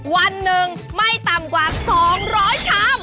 วันนึงไม่ตำกว่า๒๐๐ชั้ม